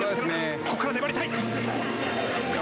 ここから粘りたい。